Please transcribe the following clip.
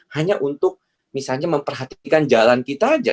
hanya untuk misalnya memperhatikan jalan kita aja